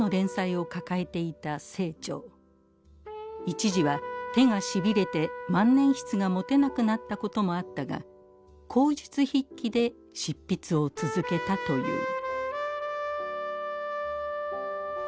一時は手がしびれて万年筆が持てなくなったこともあったが口述筆記で執筆を続けたという。